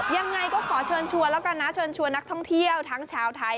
ยังไงก็ขอเชิญชวนแล้วกันนะเชิญชวนนักท่องเที่ยวทั้งชาวไทย